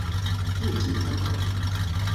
自己挑考題